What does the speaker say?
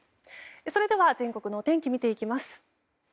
それでは、全国のお天気見ていきます。